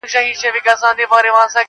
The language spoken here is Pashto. خو ښکاره ژوند بيا عادي روان ښکاري له لرې,